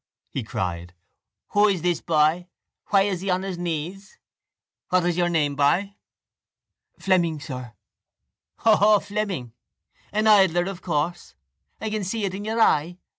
he cried. Who is this boy? Why is he on his knees? What is your name, boy? —Fleming, sir. —Hoho, Fleming! An idler of course. I can see it in your eye.